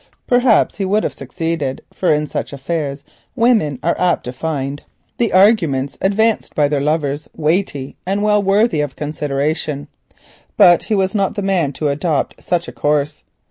Perhaps he would have succeeded, for in these affairs women are apt to find the arguments advanced by their lovers weighty and well worthy of consideration. But he was not the man to adopt such a course.